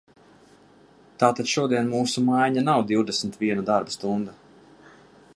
Tātad šodien mūsu maiņa nav divdesmit viena darba stunda.